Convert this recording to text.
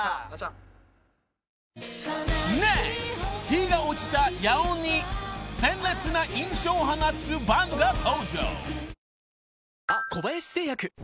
日が落ちた野音に鮮烈な印象を放つバンドが登場］